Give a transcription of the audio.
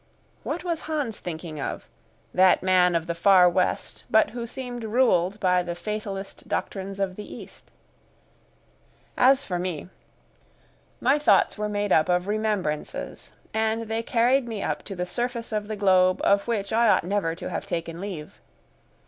What was Hans thinking of that man of the far West, but who seemed ruled by the fatalist doctrines of the East? As for me, my thoughts were made up of remembrances, and they carried me up to the surface of the globe of which I ought never to have taken leave.